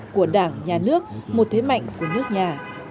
của đảng nhà nước một thế mạnh của nước nhà